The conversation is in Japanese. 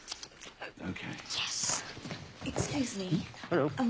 あの。